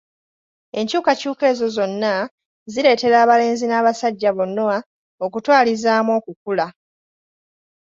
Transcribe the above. Enkyukakyuka ezo zonna zireetera abalenzi n'abasajja bonna okutwalizaamu okukula.